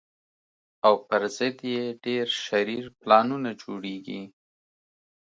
او پر ضد یې ډېر شرير پلانونه جوړېږي